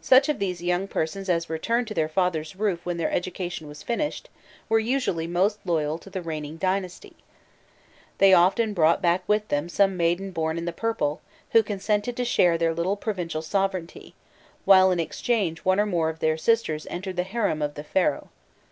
Such of these young people as returned to their fathers' roof when their education was finished, were usually most loyal to the reigning dynasty. They often brought back with them some maiden born in the purple, who consented to share their little provincial sovereignty, while in exchange one or more of their sisters entered the harem of the Pharaoh.